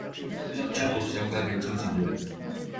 Txakur zaunkak entzun zituen.